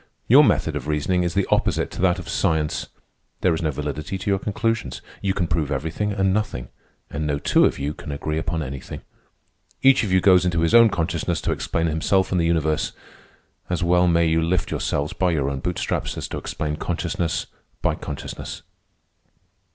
"Your method of reasoning is the opposite to that of science. There is no validity to your conclusions. You can prove everything and nothing, and no two of you can agree upon anything. Each of you goes into his own consciousness to explain himself and the universe. As well may you lift yourselves by your own bootstraps as to explain consciousness by consciousness."